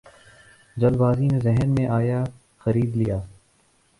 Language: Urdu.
جلد بازی میں ذہن میں آیا خرید لیا